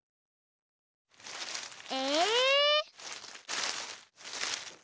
え？